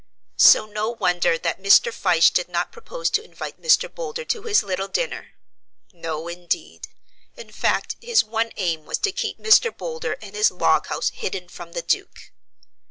So no wonder that Mr. Fyshe did not propose to invite Mr. Boulder to his little dinner. No, indeed. In fact, his one aim was to keep Mr. Boulder and his log house hidden from the Duke.